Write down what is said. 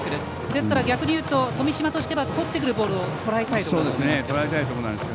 ですから、逆に言うと富島としてはとってくるボールをとらえたいです。